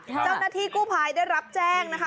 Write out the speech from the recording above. เจ้าหน้าที่กู้ภัยได้รับแจ้งนะคะ